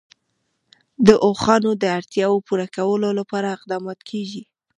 د اوښانو د اړتیاوو پوره کولو لپاره اقدامات کېږي.